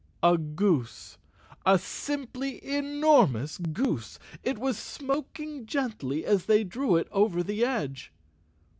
A goose—a simply enormous goose. It was smoking gently as they drew it over the edge.